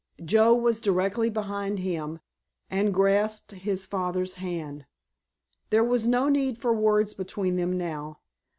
Joe was directly behind him, and grasped his father's hand. There was no need for words between them now.